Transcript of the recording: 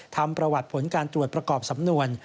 ทำประวัติผลการตรวจประกอบสำนวน